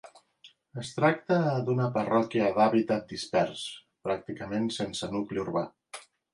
Es tracta d'una parròquia d'hàbitat dispers, pràcticament sense nucli urbà.